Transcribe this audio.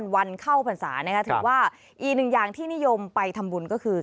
วันเข้าพรรษาถือว่าอีกหนึ่งอย่างที่นิยมไปทำบุญก็คือ